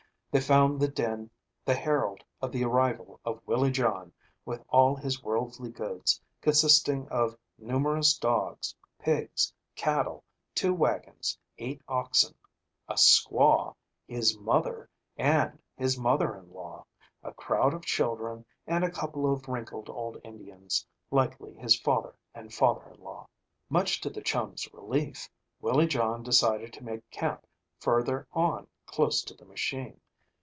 They found the din the herald of the arrival of Willie John with all his worldly goods, consisting of numerous dogs, pigs, cattle, two wagons, eight oxen, a squaw, his mother and his mother in law, a crowd of children, and a couple of wrinkled old Indians, likely his father and father in law. Much to the chums' relief, Willie John decided to make camp further on close to the machine.